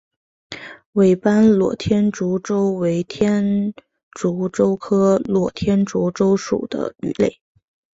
尾斑裸天竺鲷为天竺鲷科裸天竺鲷属的鱼类。